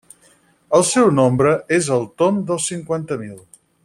El seu nombre és al tomb dels cinquanta mil.